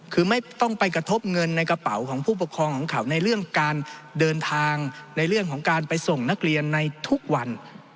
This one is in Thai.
คือไม่ต้องไปกระทบเงินในกระเป๋าของผู้ปกครองของเขาในเรื่องการเดินทางในเรื่องของการไปส่งนักเรียนในทุกวัน